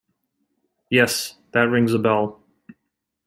Yes, that rings a bell.